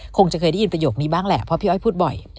คงจะเคยได้ยินประโยคนี้บ้างแหละเพราะพี่อ้อยพูดบ่อย